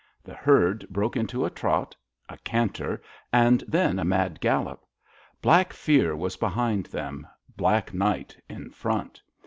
The herd broke into a trot, a canter, and then a mad gallop. Black fear was behind them, black night in front.